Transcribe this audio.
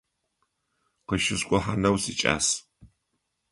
Къыщыскӏухьанэу сикӏас.